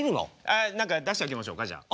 あっ何か出してあげましょうかじゃあ。